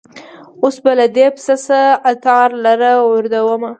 اوس به له دې پسه څه عطار لره وردرومم